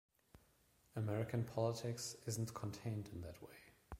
American politics isn't contained in that way.